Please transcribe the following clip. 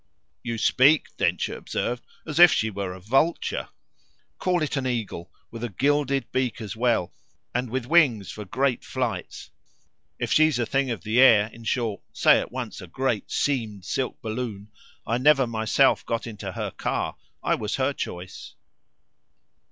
"You speak," Densher observed, "as if she were a vulture." "Call it an eagle with a gilded beak as well, and with wings for great flights. If she's a thing of the air, in short say at once a great seamed silk balloon I never myself got into her car. I was her choice."